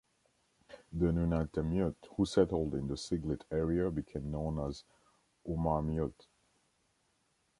The Nunatamiut who settled in the Siglit area became known as Uummarmiut.